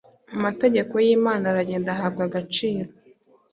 Amategeko y’Imana aragenda ahabwa agaciro.